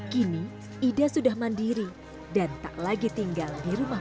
kini ida sudah mandiri dan tak lagi tinggal di rumah